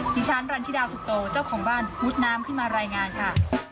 ดิฉันรันธิดาสุโตเจ้าของบ้านมุดน้ำขึ้นมารายงานค่ะ